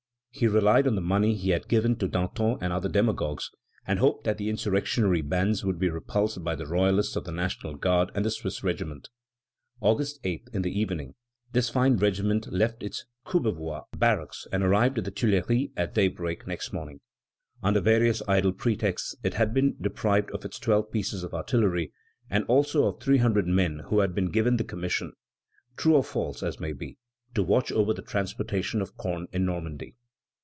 He relied on the money he had given to Danton and other demagogues, and hoped that the insurrectionary bands would be repulsed by the royalists of the National Guard and the Swiss regiment. August 8th, in the evening, this fine regiment left its Courbevoie barracks and arrived at the Tuileries at daybreak next morning. Under various idle pretexts it had been deprived of its twelve pieces of artillery, and also of three hundred men who had been given the commission, true or false as may be, to watch over the transportation of corn in Normandy.